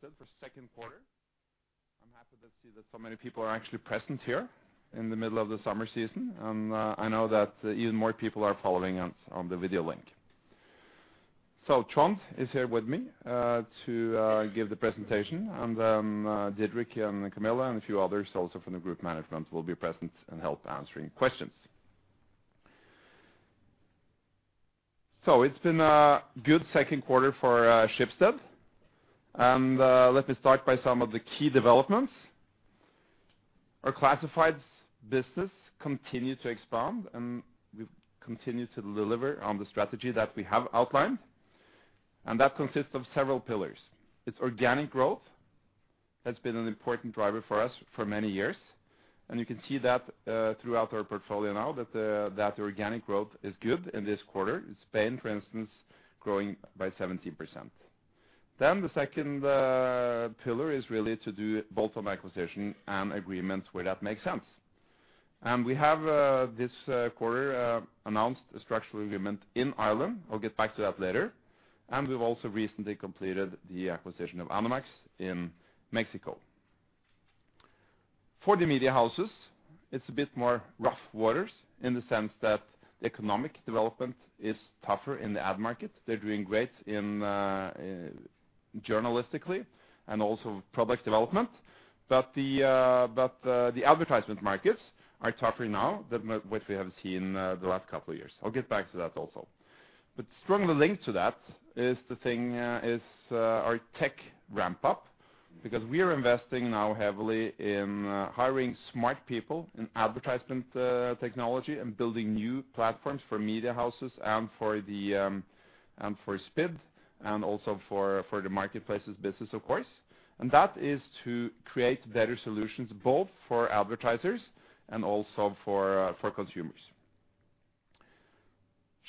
For Schibsted Second Quarter. I'm happy to see that so many people are actually present here in the middle of the summer season. I know that even more people are following us on the video link. Trond is here with me to give the presentation and Didrik and Camilla and a few others also from the group management will be present and help answering questions. It's been a good second quarter for Schibsted. Let me start by some of the key developments. Our classifieds business continue to expand, and we continue to deliver on the strategy that we have outlined, and that consists of several pillars. It's organic growth that's been an important driver for us for many years, and you can see that throughout our portfolio now that organic growth is good in this quarter. In Spain, for instance, growing by 70%. The second pillar is really to do bottom acquisition and agreements where that makes sense. We have this quarter announced a structural agreement in Ireland. I'll get back to that later. We've also recently completed the acquisition of Anumex in Mexico. For the media houses, it's a bit more rough waters in the sense that the economic development is tougher in the ad market. They're doing great in journalistically and also product development. The advertisement markets are tougher now than what we have seen the last couple of years. I'll get back to that also. Strongly linked to that is our tech ramp up, because we are investing now heavily in hiring smart people in advertisement technology and building new platforms for media houses and for Speed and also for the marketplaces business of course.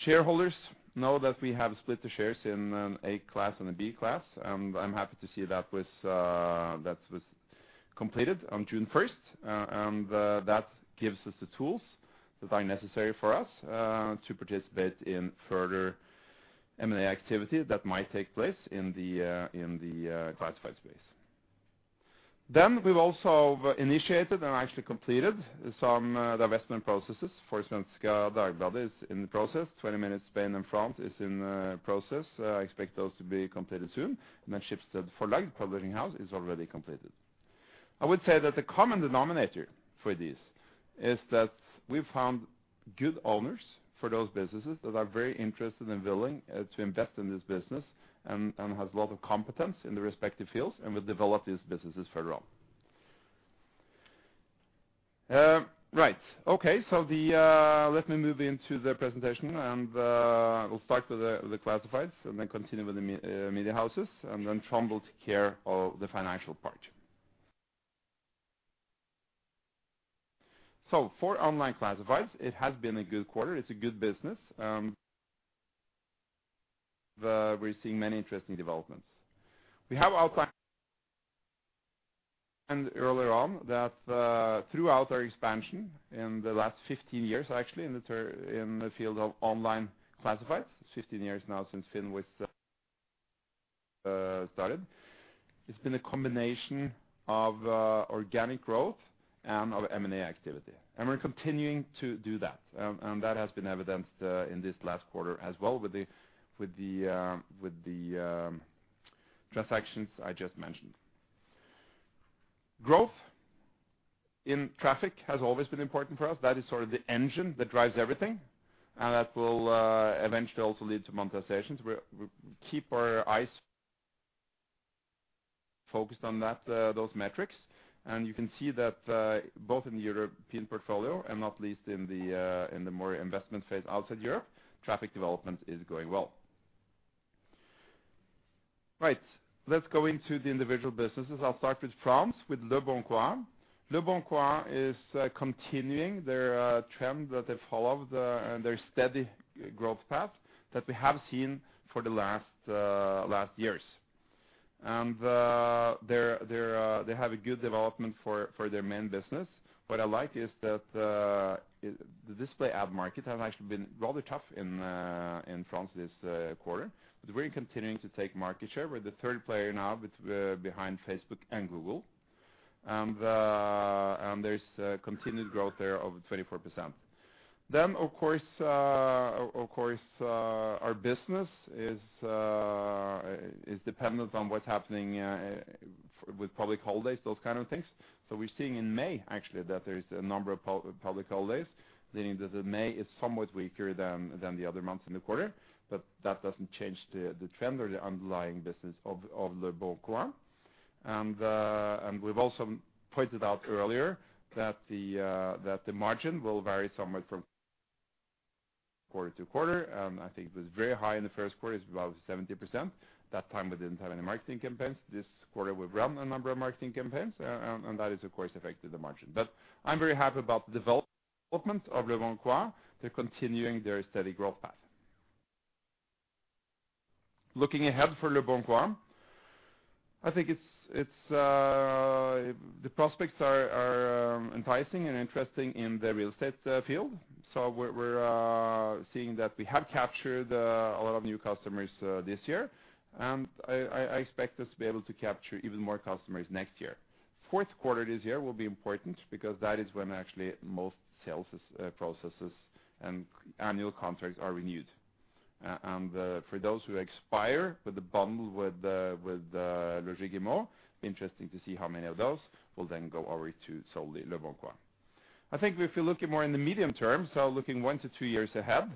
Shareholders know that we have split the shares in A class and a B class. I'm happy to see that was completed on June first. That gives us the tools that are necessary for us to participate in further M&A activity that might take place in the classified space. We've also initiated and actually completed some divestment processes. For instance, Dagbladet is in the process. 20 minutos Spain and France is in the process. I expect those to be completed soon. Then Schibsted Forlag Publishing House is already completed. I would say that the common denominator for this is that we found good owners for those businesses that are very interested and willing to invest in this business and has a lot of competence in the respective fields and will develop these businesses further on. Right. Okay. The, let me move into the presentation and we'll start with the classifieds and then continue with the media houses and then Trond will take care of the financial part. For online classifieds, it has been a good quarter, it's a good business. But we're seeing many interesting developments. We have outlined earlier on that, throughout our expansion in the last 15 years, actually in the field of online classifieds, it's 15 years now since FINN was started. It's been a combination of organic growth and of M&A activity. We're continuing to do that. That has been evidenced in this last quarter as well with the transactions I just mentioned. Growth in traffic has always been important for us. That is sort of the engine that drives everything. That will eventually also lead to monetizations, where we keep our eyes focused on those metrics. You can see that both in the European portfolio and not least in the more investment phase outside Europe, traffic development is going well. Right. Let's go into the individual businesses. I'll start with France, with Leboncoin. Leboncoin is continuing their steady growth path that we have seen for the last years. They're they have a good development for their main business. What I like is that the display ad market has actually been rather tough in France this quarter. We're continuing to take market share. We're the third player now with behind Facebook and Google. And there's continued growth there of 24%. Of course our business is dependent on what's happening with public holidays, those kind of things. We're seeing in May actually that there is a number of public holidays, meaning that May is somewhat weaker than the other months in the quarter. That doesn't change the trend or the underlying business of Leboncoin. We've also pointed out earlier that the margin will vary somewhat from quarter to quarter. I think it was very high in the first quarter, it's above 70%. That time we didn't have any marketing campaigns. This quarter, we've run a number of marketing campaigns, and that is of course affected the margin. I'm very happy about the development of Leboncoin. They're continuing their steady growth path. Looking ahead for Leboncoin, I think it's The prospects are enticing and interesting in the real estate field. We're seeing that we have captured a lot of new customers this year, and I expect us to be able to capture even more customers next year. Fourth quarter this year will be important because that is when actually most sales processes and annual contracts are renewed. For those who expire with the bundle with Le Figaro, interesting to see how many of those will then go over to solely Leboncoin. I think if you look at more in the medium term, so looking one to two years ahead,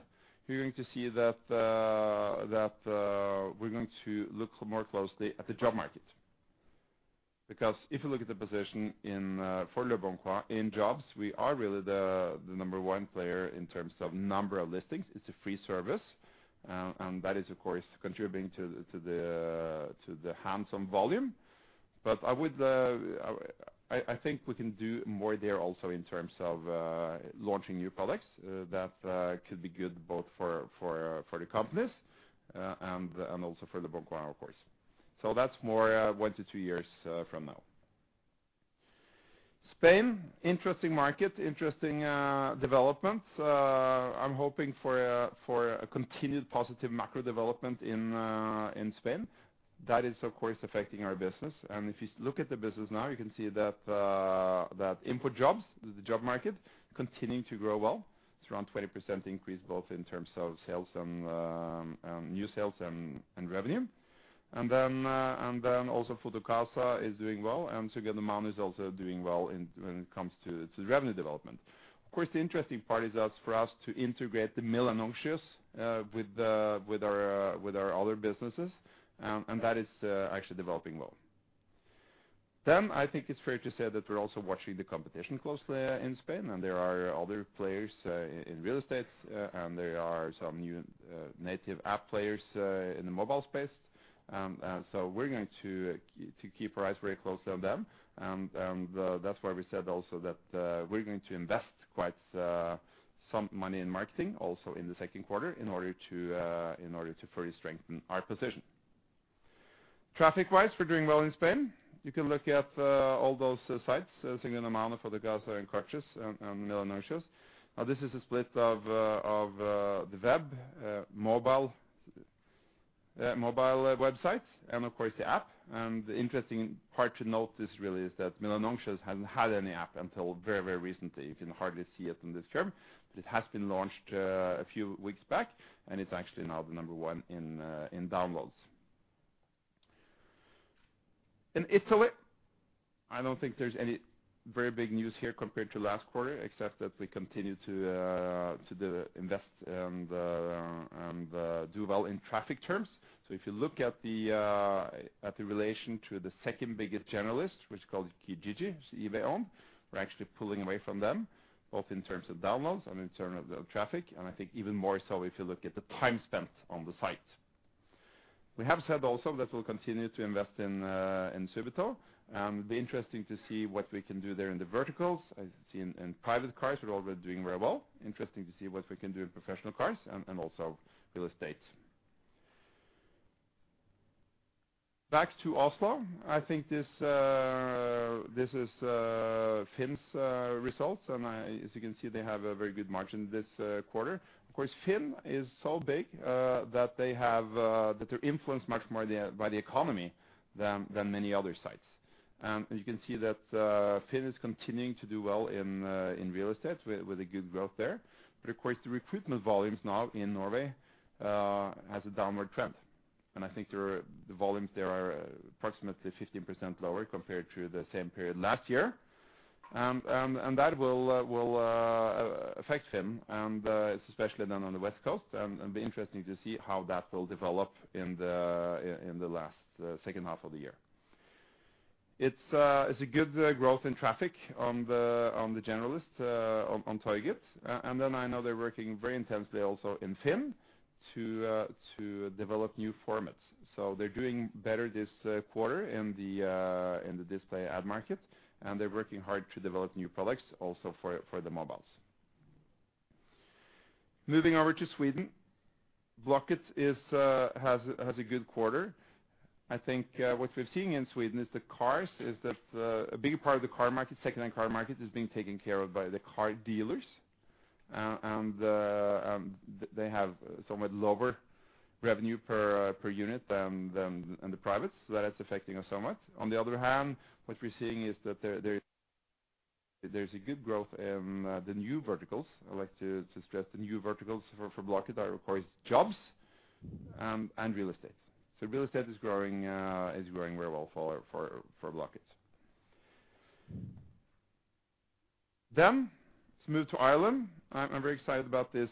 you're going to see that we're going to look more closely at the job market. If you look at the position in for Leboncoin in jobs, we are really the number one player in terms of number of listings. It's a free service, and that is, of course, contributing to the handsome volume. I think we can do more there also in terms of launching new products that could be good both for the companies and also for Leboncoin, of course. That's more one to two years from now. Spain, interesting market, interesting development. I'm hoping for a continued positive macro development in Spain. That is, of course, affecting our business. If you look at the business now, you can see that InfoJobs, the job market, continuing to grow well. It's around 20% increase both in terms of sales and new sales and revenue. Also Fotocasa is doing well, and Segundamano is also doing well in, when it comes to revenue development. Of course, the interesting part is for us to integrate the Milanuncios with our other businesses, and that is actually developing well. I think it's fair to say that we're also watching the competition closely in Spain, and there are other players in real estate, and there are some new native app players in the mobile space. We're going to keep our eyes very closely on them. That's why we said also that we're going to invest quite some money in marketing also in the second quarter in order to further strengthen our position. Traffic-wise, we're doing well in Spain. You can look at all those sites, Segundamano, Fotocasa, and Coches, and Milanuncios. This is a split of the web, mobile websites and, of course, the app. The interesting part to note is really is that Milanuncios hadn't had any app until very recently. You can hardly see it on this term. It has been launched a few weeks back, and it's actually now the number one in downloads. In Italy, I don't think there's any very big news here compared to last quarter, except that we continue to invest and do well in traffic terms. If you look at the at the relation to the second biggest generalist, which is called Kijiji, which eBay own, we're actually pulling away from them, both in terms of downloads and in terms of traffic, and I think even more so if you look at the time spent on the site. We have said also that we'll continue to invest in Subito, and it'll be interesting to see what we can do there in the verticals. I've seen in private cars, we're already doing very well. Interesting to see what we can do in professional cars and also real estate. Back to Oslo. I think this this is FINN's results, and as you can see, they have a very good margin this quarter. Of course, FINN is so big that they have that they're influenced much more the, by the economy than many other sites. You can see that FINN is continuing to do well in real estate with a good growth there. Of course, the recruitment volumes now in Norway has a downward trend. I think the volumes there are approximately 15% lower compared to the same period last year. That will will affect FINN, and especially then on the West Coast, and be interesting to see how that will develop in the last second half of the year. It's a good growth in traffic on the on the generalist on on Tori.fi. I know they're working very intensely also in FINN to develop new formats. They're doing better this quarter in the display ad market, and they're working hard to develop new products also for the mobiles. Moving over to Sweden, Blocket has a good quarter. I think what we're seeing in Sweden is the cars, is that a big part of the car market, second-hand car market is being taken care of by the car dealers. They have somewhat lower revenue per unit than in the privates, that is affecting us somewhat. On the other hand, what we're seeing is that there's a good growth in the new verticals. I'd like to stress the new verticals for Blocket are, of course, jobs, and real estate. Real estate is growing very well for Blocket. Let's move to Ireland. I'm very excited about this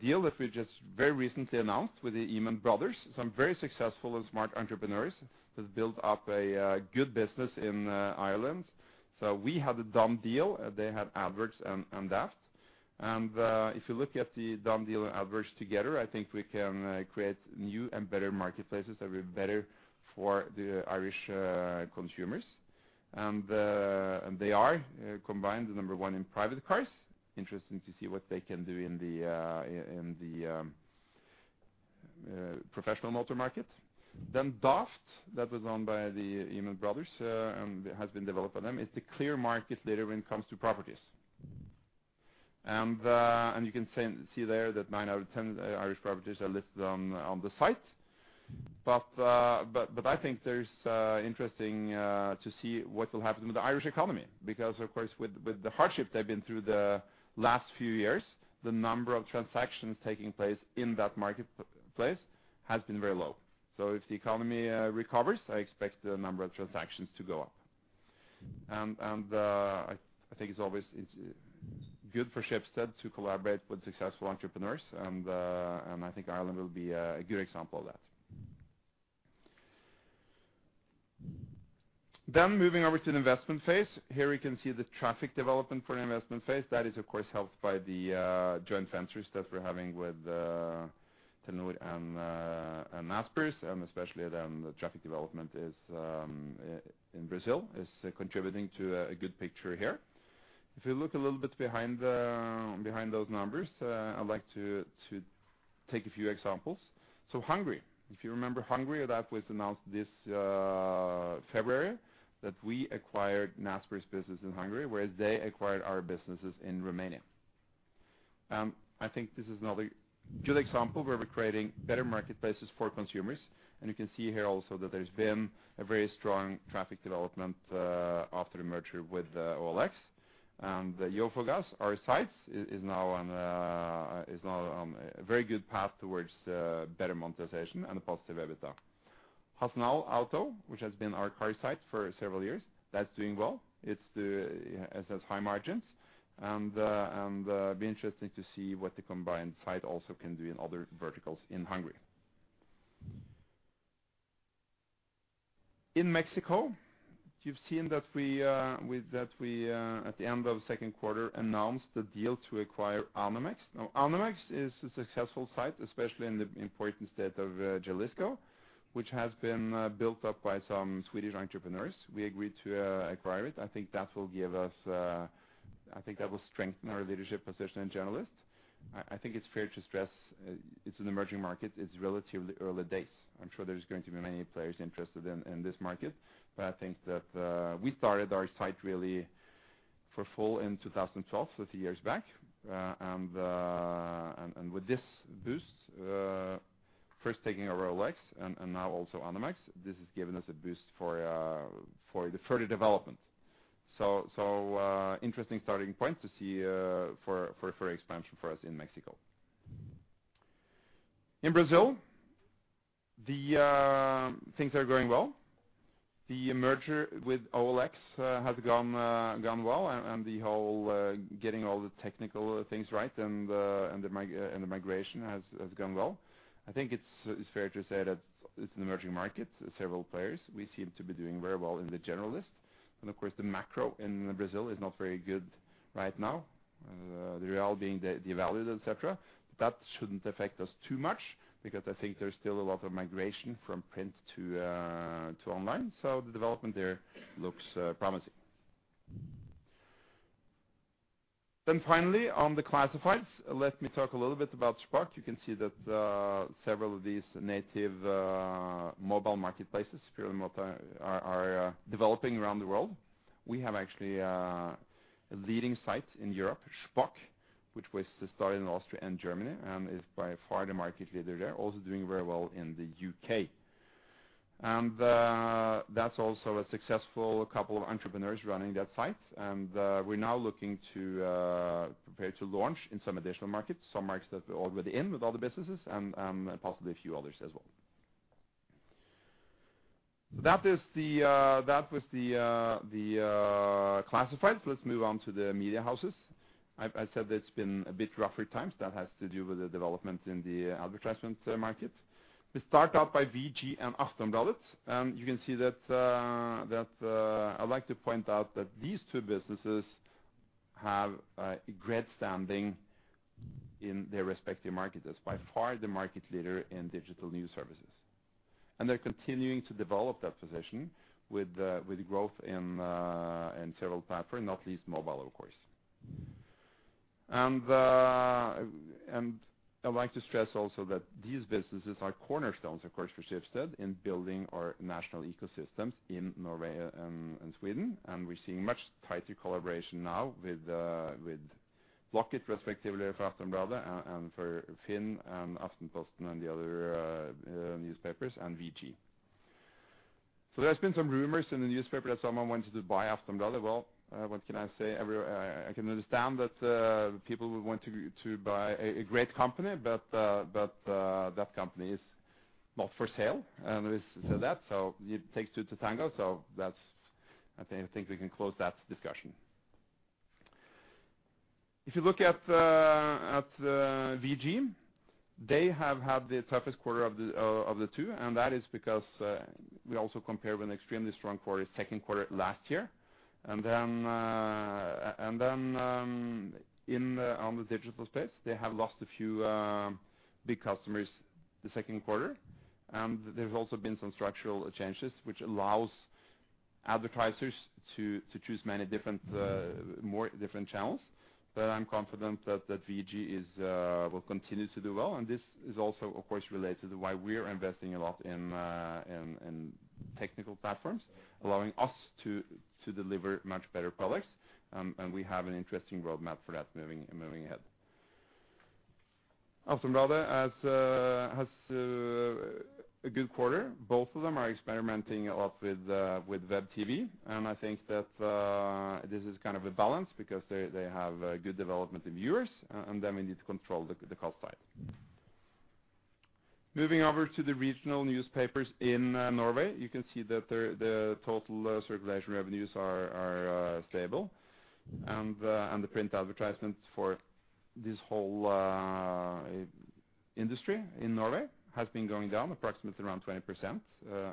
deal that we just very recently announced with the Fallon Brothers. Some very successful and smart entrepreneurs that built up a good business in Ireland. We have the DoneDeal, they have Adverts and Daft. If you look at the DoneDeal and Adverts together, I think we can create new and better marketplaces that will be better for the Irish consumers. They are combined the number one in private cars. Interesting to see what they can do in the professional motor market. Daft, that was owned by the Emmet Brothers, and has been developed by them, is the clear market leader when it comes to properties. You can see there that nine out of 10 Irish properties are listed on the site. I think there's interesting to see what will happen with the Irish economy because, of course, with the hardship they've been through the last few years, the number of transactions taking place in that marketplace has been very low. If the economy recovers, I expect the number of transactions to go up. I think it's always good for Schibsted to collaborate with successful entrepreneurs and I think Ireland will be a good example of that. Moving over to the investment phase. Here, we can see the traffic development for the investment phase. That is of course helped by the joint ventures that we're having with Telenor and Naspers, especially then the traffic development is in Brazil is contributing to a good picture here. If you look a little bit behind those numbers, I'd like to take a few examples. Hungary, if you remember Hungary, that was announced this February that we acquired Naspers' business in Hungary, whereas they acquired our businesses in Romania. I think this is another good example where we're creating better marketplaces for consumers, and you can see here also that there's been a very strong traffic development after the merger with OLX. The Jófogás, our site is now on a very good path towards better monetization and a positive EBITDA. Használtautó, which has been our car site for several years, that's doing well. It's it has high margins and be interesting to see what the combined site also can do in other verticals in Hungary. In Mexico, you've seen that we at the end of second quarter announced the deal to acquire Anumex. Anumex is a successful site, especially in the important state of Jalisco, which has been built up by some Swedish entrepreneurs. We agreed to acquire it. I think that will strengthen our leadership position in Jalisco. I think it's fair to stress it's an emerging market. It's relatively early days. I'm sure there's going to be many players interested in this market. I think that we started our site really for full in 2012, so a few years back. With this boost, first taking over OLX and now also Anumex, this has given us a boost for the further development. Interesting starting point to see for expansion for us in Mexico. In Brazil, the things are going well. The merger with OLX has gone well, and the whole getting all the technical things right and the migration has gone well. I think it's fair to say that it's an emerging market, several players. We seem to be doing very well in the general list. Of course, the macro in Brazil is not very good right now. The real being devalued, et cetera. That shouldn't affect us too much because I think there's still a lot of migration from print to online. The development there looks promising. Finally, on the classifieds, let me talk a little bit about Shpock. You can see that several of these native mobile marketplaces for remote are developing around the world. We have actually a leading site in Europe, Shpock, which was started in Austria and Germany, is by far the market leader there, also doing very well in the UK. That's also a successful couple of entrepreneurs running that site. We're now looking to prepare to launch in some additional markets, some markets that we're already in with other businesses and possibly a few others as well. That is the that was the the classifieds. Let's move on to the media houses. I said it's been a bit rougher times. That has to do with the development in the advertisement market. We start out by VG and Aftenbladet, and you can see that I'd like to point out that these two businesses have a great standing in their respective markets. That's by far the market leader in digital news services. They're continuing to develop that position with growth in several platform, not least mobile, of course. I'd like to stress also that these businesses are cornerstones, of course, for Schibsted in building our national ecosystems in Norway and Sweden. We're seeing much tighter collaboration now with Blocket respectively for Aftenbladet and for FINN and Aftenposten and the other newspapers and VG. There's been some rumors in the newspaper that someone wanted to buy Aftenbladet. Well, what can I say? Every, I can understand that people would want to buy a great company, but that company is not for sale, and we've said that. It takes two to tango. That's. I think we can close that discussion. If you look at VG, they have had the toughest quarter of the two, and that is because we also compare with an extremely strong quarter, second quarter last year. Then, on the digital space, they have lost a few big customers this second quarter. There's also been some structural changes which allows advertisers to choose many different, more different channels. I'm confident that VG is will continue to do well, and this is also of course related to why we're investing a lot in technical platforms, allowing us to deliver much better products. We have an interesting roadmap for that moving ahead. Aftenbladet has a good quarter. Both of them are experimenting a lot with web-TV. I think that this is kind of a balance because they have good development in viewers, and then we need to control the cost side. Moving over to the regional newspapers in Norway, you can see that the total circulation revenues are stable. The print advertisements for this whole industry in Norway has been going down approximately around 20%.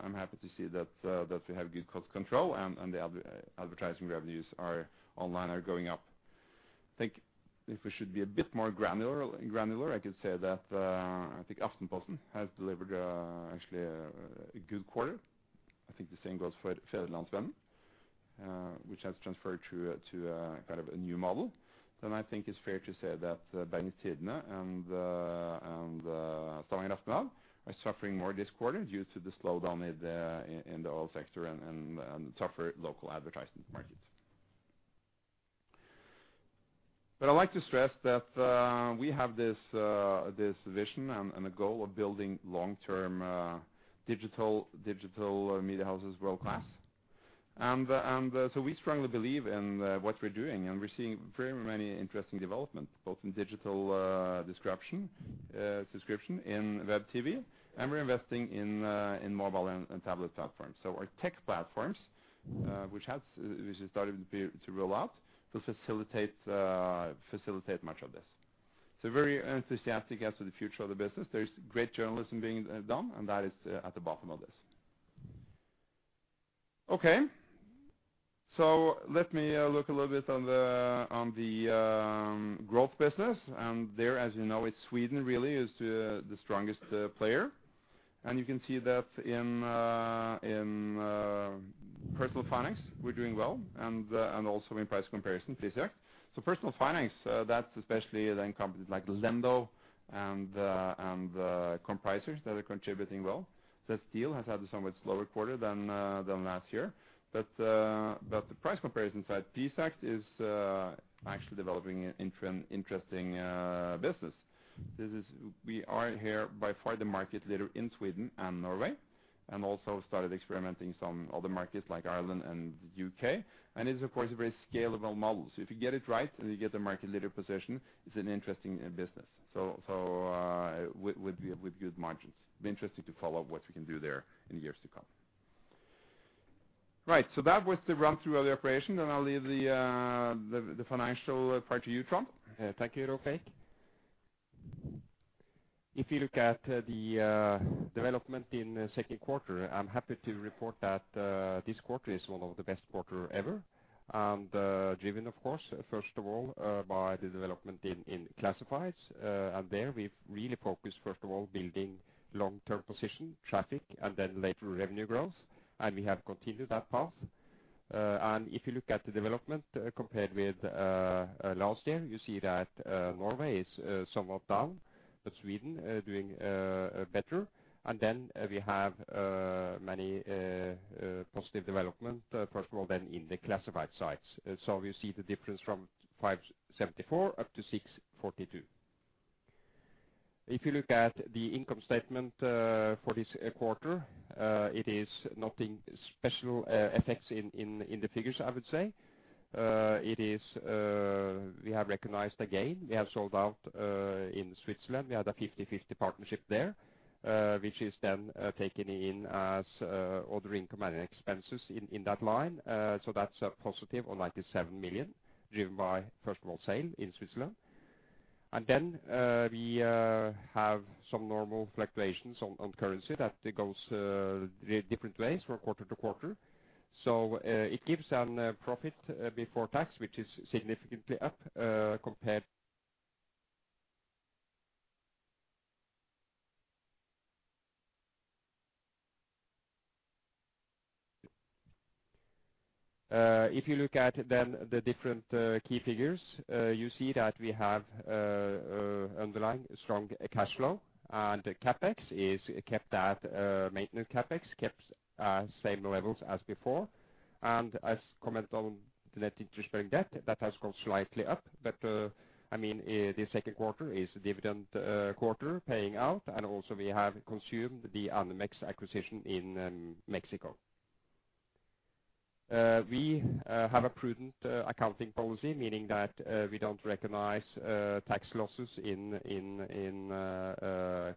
I'm happy to see that we have good cost control and advertising revenues online are going up. I think if we should be a bit more granular, I could say that I think Aftenposten has delivered actually a good quarter. I think the same goes for Fædrelandsvennen, which has transferred to a kind of a new model. I think it's fair to say that Dagens Næringsliv Aftenblad are suffering more this quarter due to the slowdown in the oil sector and tougher local advertising markets. I'd like to stress that we have this vision and a goal of building long-term digital media houses world-class. We strongly believe in what we're doing, and we're seeing very many interesting development, both in digital description, subscription in web-TV, and we're investing in mobile and tablet platforms. Our tech platforms, which has started to roll out to facilitate much of this. Very enthusiastic as to the future of the business. There's great journalism being done, and that is at the bottom of this. Okay. Let me look a little bit on the, on the growth business. There, as you know, it's Sweden really is the strongest player. You can see that in personal finance, we're doing well, and also in price comparison, Prisjakt. Personal finance, that's especially then companies like Lendo and Compricer that are contributing well. Ztory has had a somewhat slower quarter than last year. But the price comparison side, Prisjakt, is actually developing an interesting business. We are here by far the market leader in Sweden and Norway, and also started experimenting some other markets like Ireland and the UK. It's of course a very scalable model. If you get it right and you get the market leader position, it's an interesting business. With good margins. Be interesting to follow up what we can do there in years to come. Right. That was the run through of the operation, and I'll leave the financial part to you, Trond. Thank you, Rolv Erik. If you look at the development in the second quarter, I'm happy to report that this quarter is one of the best quarter ever. Driven, of course, first of all, by the development in classifieds. There we've really focused, first of all, building long-term position, traffic, and then later revenue growth. We have continued that path. If you look at the development compared with last year, you see that Norway is somewhat down, but Sweden doing better. Then we have many positive development, first of all then in the classified sites. We see the difference from 574 up to 642. If you look at the income statement for this quarter, it is nothing special effects in the figures I would say. We have recognized again, we have sold out in Switzerland. We had a 50/50 partnership there, which is then taken in as other income and expenses in that line. That's a positive on 97 million, driven by first of all sale in Switzerland. We have some normal fluctuations on currency that goes different ways from quarter to quarter. It gives an profit before tax which is significantly up compared. If you look at the different key figures, you see that we have underlying strong cash flow, and CAPEX is kept at maintenance CAPEX, kept same levels as before. As comment on the net interest-bearing debt, that has gone slightly up. I mean, the second quarter is dividend quarter paying out, and also we have consumed the Anumex acquisition in Mexico. We have a prudent accounting policy, meaning that we don't recognize tax losses in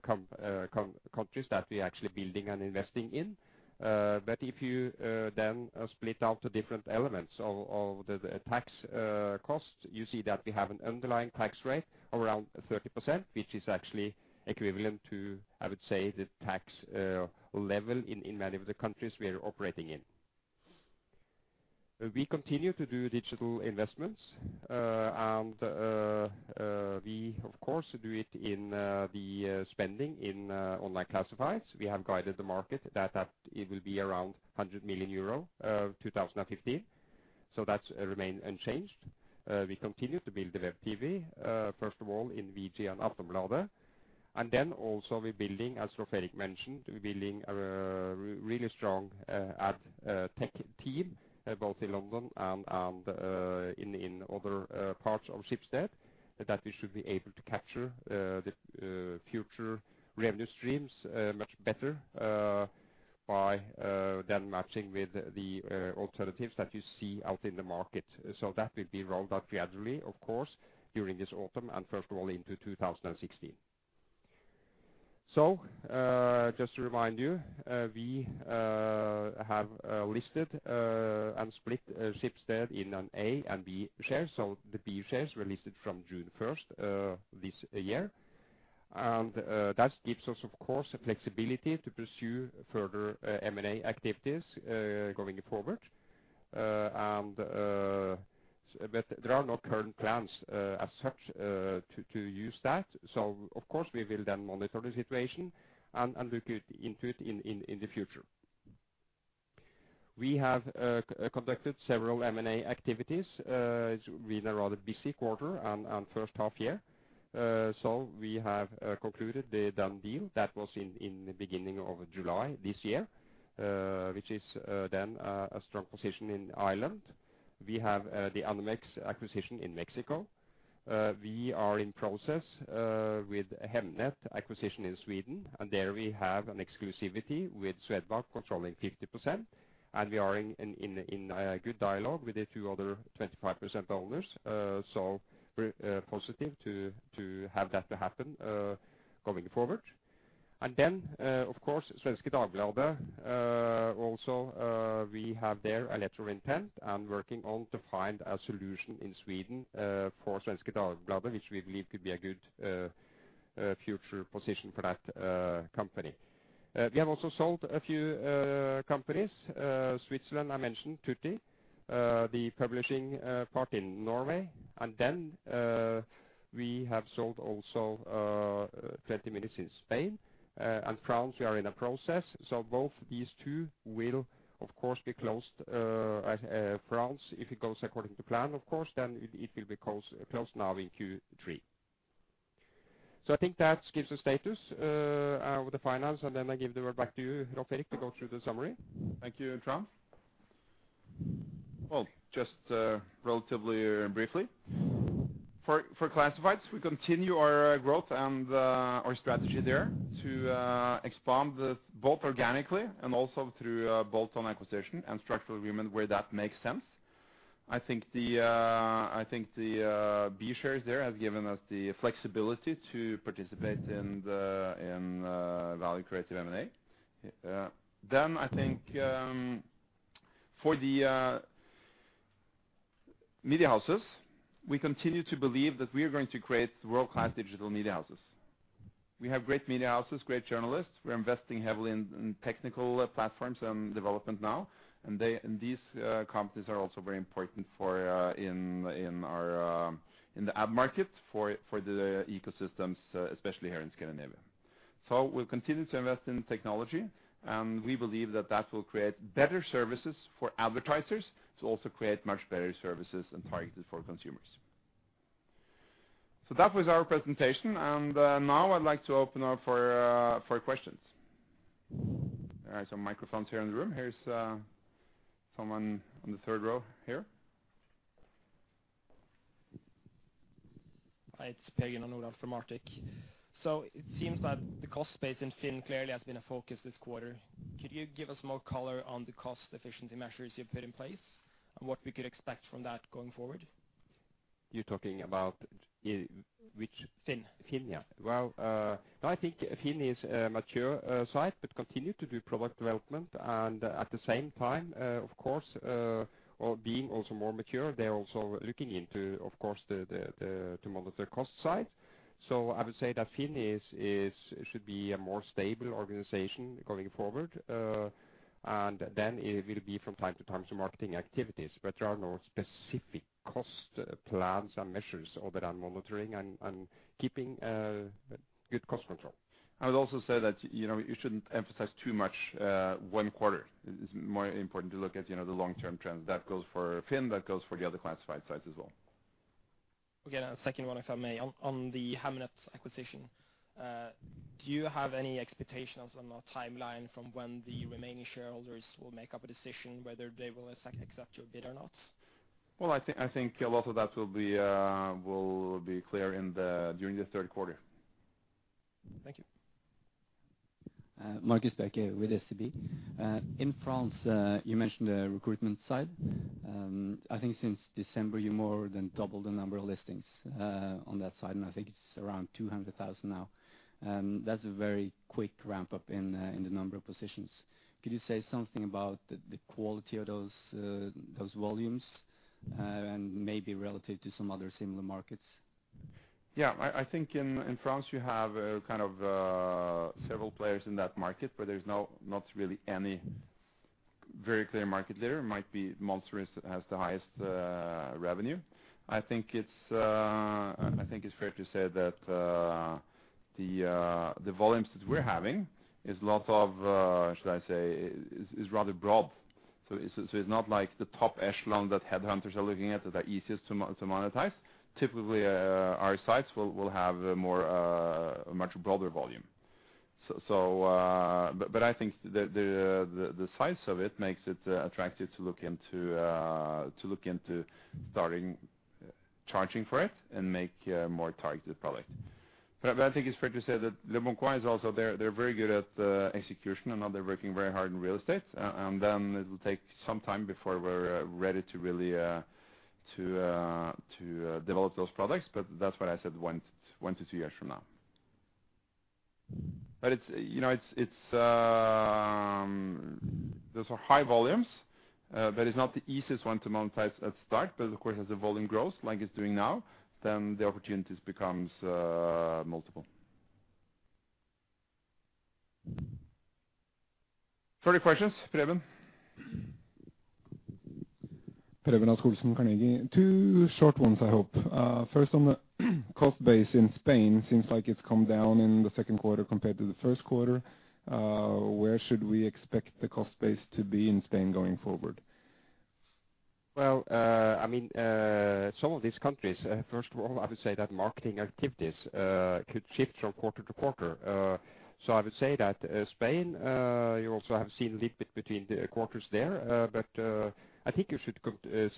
countries that we're actually building and investing in. If you then split out the different elements of the tax costs, you see that we have an underlying tax rate around 30%, which is actually equivalent to, I would say, the tax level in many of the countries we are operating in. We continue to do digital investments, and we of course do it in the spending in online classifieds. We have guided the market that it will be around 100 million euro, 2015. That's remained unchanged. We continue to build the web-TV, first of all in VG and Aftonbladet. Also we're building, as Rolv Erik mentioned, we're building a really strong ad tech team, both in London and in other parts of Schibsted that we should be able to capture the future revenue streams much better by then matching with the alternatives that you see out in the market. That will be rolled out gradually, of course, during this autumn and first of all into 2016. Just to remind you, we have listed and split Schibsted in an A and B share. The B shares were listed from June 1st this year. That gives us of course a flexibility to pursue further M&A activities going forward. But there are no current plans as such to use that. Of course we will then monitor the situation and look it into it in the future. We have conducted several M&A activities. It's been a rather busy quarter and first half year. We have concluded the DoneDeal that was in the beginning of July this year, which is then a strong position in Ireland. We have the Anumex acquisition in Mexico. We are in process with Hemnet acquisition in Sweden, and there we have an exclusivity with Swedbank controlling 50%, and we are in good dialogue with the two other 25% owners. We're positive to have that to happen going forward. Of course, Svenska Dagbladet also, we have there a letter of intent and working on to find a solution in Sweden for Svenska Dagbladet, which we believe could be a good future position for that company. We have also sold a few companies. Switzerland, I mentioned Tutti. The publishing part in Norway. We have sold also 20 minutos in Spain. France, we are in a process. Both these two will of course be closed, France, if it goes according to plan, of course, then it will be closed now in Q3. I think that gives a status with the finance, I give the word back to you, Rolv Erik, to go through the summary. Thank you, Trond. Well, just relatively briefly. For classifieds, we continue our growth and our strategy there to expand both organically and also through bolt-on acquisition and structural agreement where that makes sense. I think the B shares there have given us the flexibility to participate in value creative M&A. Then I think for the media houses, we continue to believe that we are going to create world-class digital media houses. We have great media houses, great journalists. We're investing heavily in technical platforms and development now. These companies are also very important for in our in the ad market for the ecosystems, especially here in Scandinavia. We'll continue to invest in technology, and we believe that that will create better services for advertisers to also create much better services and targets for consumers. That was our presentation, and now I'd like to open up for questions. All right, some microphones here in the room. Here's someone on the third row here. Hi, it's Pål Gunnar Nord from Arctic Securities. It seems that the cost base in FINN clearly has been a focus this quarter. Could you give us more color on the cost efficiency measures you've put in place and what we could expect from that going forward? You're talking about which- FINN. FINN. Yeah. Well, I think FINN is a mature site, but continue to do product development. At the same time, of course, or being also more mature, they're also looking into, of course, the to monitor cost side. I would say that FINN should be a more stable organization going forward. Then it will be from time to time some marketing activities, but there are no specific cost plans and measures other than monitoring and keeping good cost control. I would also say that, you know, you shouldn't emphasize too much, one quarter. It's more important to look at, you know, the long-term trends. That goes for FINN, that goes for the other classified sites as well. Again, a second one, if I may. On the Hemnet acquisition, do you have any expectations on the timeline from when the remaining shareholders will make up a decision whether they will accept your bid or not? Well, I think a lot of that will be clear during the third quarter. Thank you. Uh, Markus Bjerke with SEB. Uh, in France, uh, you mentioned a recruitment site. Um, I think since December, you more than doubled the number of listings, uh, on that side, and I think it's around two hundred thousand now. Um, that's a very quick ramp-up in, uh, in the number of positions. Could you say something about the, the quality of those, uh, those volumes, uh, and maybe relative to some other similar markets? Yeah, I think in France you have kind of several players in that market, but there's not really any very clear market leader. Might be Monster has the highest revenue. I think it's I think it's fair to say that the volumes that we're having is lots of should I say is rather broad. It's not like the top echelon that headhunters are looking at that are easiest to monetize. Typically, our sites will have more a much broader volume. But I think the size of it makes it attractive to look into to look into starting charging for it and make more targeted product. I think it's fair to say that Leboncoin is also they're very good at execution and now they're working very hard in real estate, and then it'll take some time before we're ready to really to develop those products, but that's why I said one to two years from now. It's, you know, it's those are high volumes, but it's not the easiest one to monetize at start. Of course, as the volume grows like it's doing now, then the opportunities becomes multiple. Further questions. Preben. Two short ones, I hope. First on the cost base in Spain. Seems like it's come down in the second quarter compared to the first quarter. Where should we expect the cost base to be in Spain going forward? I mean, some of these countries, first of all, I would say that marketing activities could shift from quarter to quarter. I would say that Spain, you also have seen a little bit between the quarters there. I think you should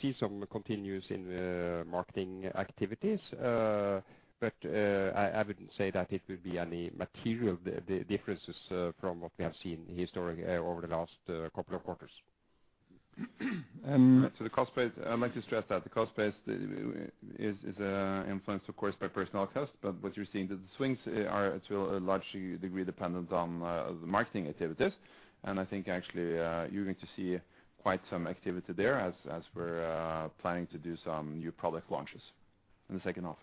see some continuous in marketing activities. I wouldn't say that it would be any material differences from what we have seen historically over the last couple of quarters. The cost base, I'd like to stress that the cost base is influenced of course by personal cost, but what you're seeing, the swings are to a large degree dependent on the marketing activities. I think actually, you're going to see quite some activity there as we're planning to do some new product launches in the second half.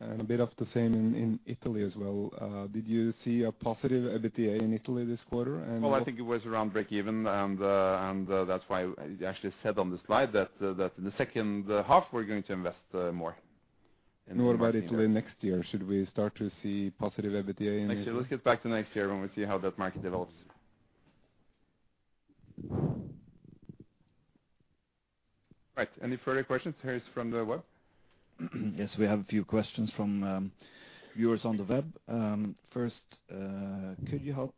A bit of the same in Italy as well. Did you see a positive EBITDA in Italy this quarter? Well, I think it was around breakeven, and that's why I actually said on the slide that in the second half we're going to invest more in marketing. What about Italy next year? Should we start to see positive EBITDA? Actually, let's get back to next year when we see how that market develops. Right. Any further questions, Harris, from the web? Yes, we have a few questions from viewers on the web. First, could you help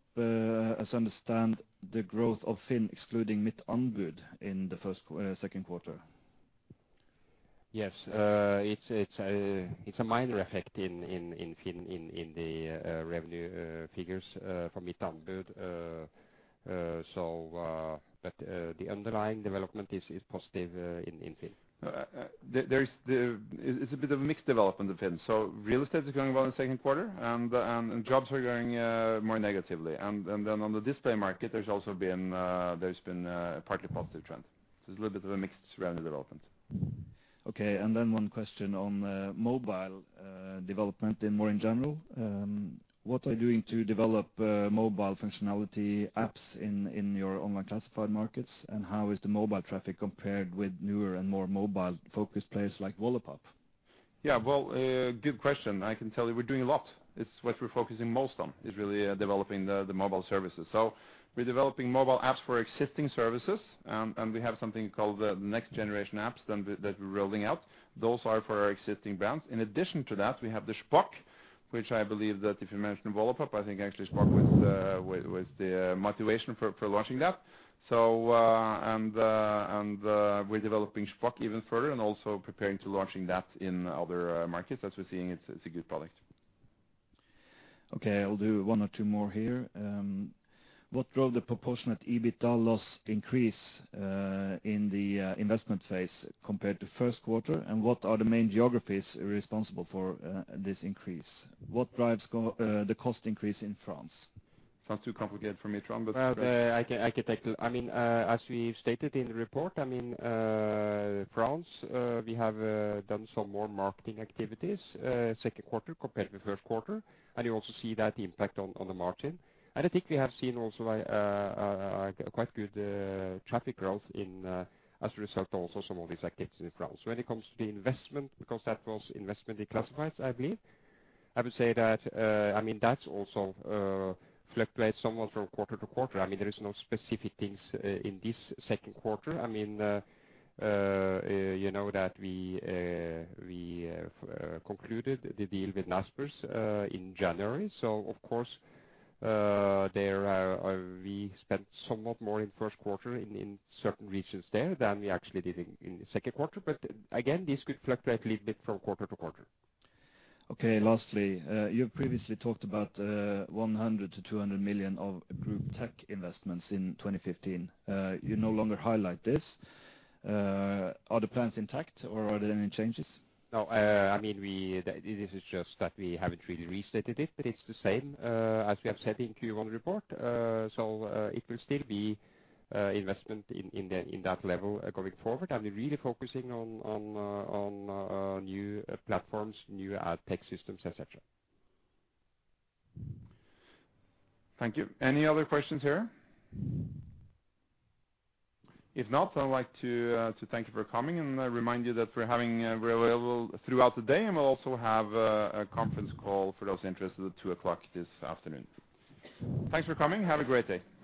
us understand the growth of FINN excluding Mittanbud in the second quarter? Yes. It's a minor effect in FINN in the revenue figures from Mittanbud. The underlying development is positive in FINN. There is the... It's a bit of a mixed development with FINN. Real estate is going well in the second quarter, and jobs are going more negatively. Then on the display market, there's also been a partly positive trend. It's a little bit of a mixed rounded development. Okay. One question on mobile development in more general. What are you doing to develop mobile functionality apps in your online classified markets? How is the mobile traffic compared with newer and more mobile-focused players like Wallapop? Yeah. Well, good question. I can tell you we're doing a lot. It's what we're focusing most on, is really developing the mobile services. We're developing mobile apps for existing services, and we have something called the next generation apps that we're rolling out. Those are for our existing brands. In addition to that, we have the Shpock, which I believe that if you mentioned Wallapop, I think actually Shpock was the motivation for launching that. We're developing Shpock even further and also preparing to launching that in other markets as we're seeing it's a good product. Okay. I'll do one or two more here. What drove the proportionate EBITDA loss increase in the investment phase compared to first quarter? What are the main geographies responsible for this increase? What drives the cost increase in France? Sounds too complicated for me, Trond. Well, I can take it. I mean, as we stated in the report, I mean, France, we have done some more marketing activities, second quarter compared to first quarter. You also see that impact on the margin. I think we have seen also a quite good traffic growth in as a result also some of these activities in France. When it comes to the investment, because that was investment in classifieds, I believe, I would say that, I mean, that's also fluctuates somewhat from quarter to quarter. I mean, there is no specific things in this second quarter. I mean, you know that we concluded the deal with Naspers in January. Of course, there, we spent somewhat more in first quarter in certain regions there than we actually did in the second quarter. Again, this could fluctuate a little bit from quarter to quarter. Okay. Lastly, you've previously talked about 100 million-200 million of group tech investments in 2015. You no longer highlight this. Are the plans intact or are there any changes? No. I mean, this is just that we haven't really restated it, but it's the same, as we have said in Q1 report. It will still be investment in that level going forward. We're really focusing on new platforms, new tech systems, et cetera. Thank you. Any other questions here? If not, I would like to thank you for coming. I remind you that we're available throughout the day. We'll also have a conference call for those interested at 2:00 P.M. this afternoon. Thanks for coming. Have a great day.